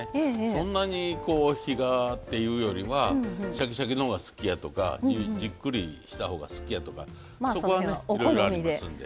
そんなに火がっていうよりはシャキシャキのほうが好きやとかじっくりしたほうが好きやとかそこはねいろいろありますんで。